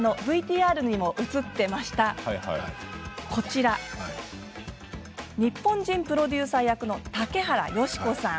ＶＴＲにも映っていました日本人プロデューサー役の竹原芳子さん